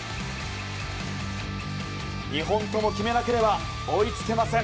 ２本と決めなければ追いつけません。